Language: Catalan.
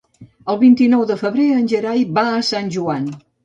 El vint-i-nou de febrer en Gerai va a Sant Joan.